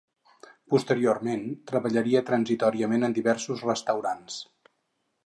Posteriorment, treballaria transitòriament en diversos restaurants.